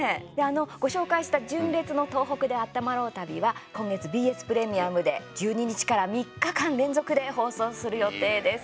ご紹介した純烈の「とうほくであったまろう旅」は今月ＢＳプレミアムで１２日から３日間連続で放送する予定です。